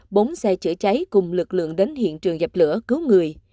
bốn xe chữa cháy cùng lực lượng đến hiện trường dập lửa cứu người